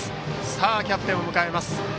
さあキャプテンを迎えます。